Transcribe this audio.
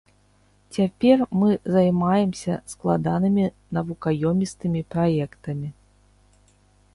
Цяпер мы займаемся складанымі навукаёмістымі праектамі.